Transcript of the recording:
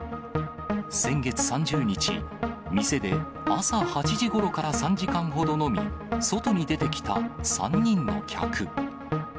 先月３０日、店で朝８時ごろから３時間ほど飲み、外に出てきた３人の客。